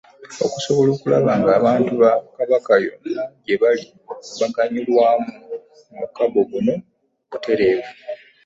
Okusobola okulaba ng'abantu ba Kabaka yonna gye bali baganyulwa mu mukago guno butereevu.